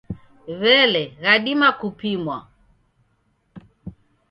W'elee, ghadima kupimwa?